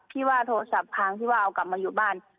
ที่ว่าโทรศัพท์ครั้งที่ว่าเอากลับมาอยู่บ้าน